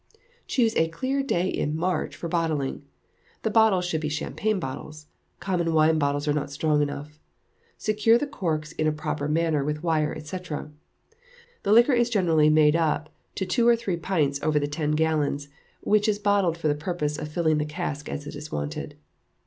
Choose a clear dry day in March for bottling. The bottles should be champagne bottles common wine bottles are not strong enough; secure the corks in a proper manner with wire, &c. The liquor is generally made up to two or three pints over the ten gallons, which is bottled for the purpose of filling the cask as it is wanted.